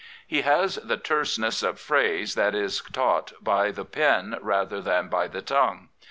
He has the terseness of phrase that is taught by the pen rather than by the tongue.